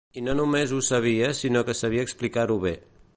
I no només ho sabia sinó que sabia explicar-ho bé.